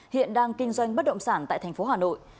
hiện đang kinh doanh bất động sản tại tp hà nội